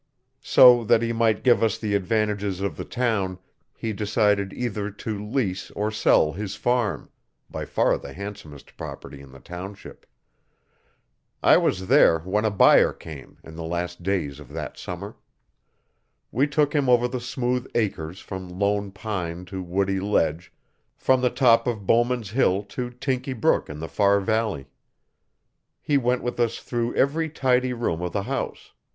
So, that he might give us the advantages of the town, he decided either to lease or sell his farm by far the handsomest property in the township. I was there when a buyer came, in the last days of that summer. We took him over the smooth acres from Lone Pine to Woody Ledge, from the top of Bowman's Hill to Tinkie Brook in the far valley. He went with us through every tidy room of the house.